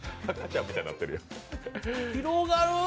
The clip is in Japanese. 広がる！